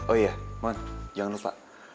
oh iya man jangan lupa